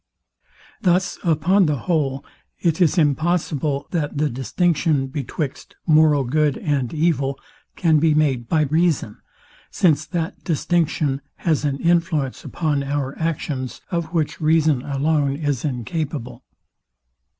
Thus upon the whole, it is impossible, that the distinction betwixt moral good and evil, can be made to reason; since that distinction has an influence upon our actions, of which reason alone is incapable.